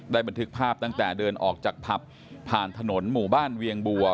บันทึกภาพตั้งแต่เดินออกจากผับผ่านถนนหมู่บ้านเวียงบัว